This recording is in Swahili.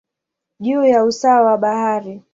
juu ya usawa wa bahari.